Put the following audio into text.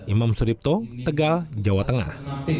imam suripto tegal jawa tengah